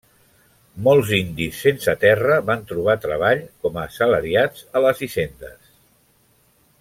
Molts indis sense terra van trobar treball com a assalariats a les hisendes.